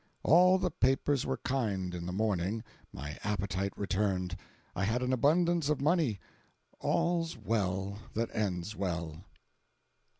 All the papers were kind in the morning; my appetite returned; I had a abundance of money. All's well that ends well.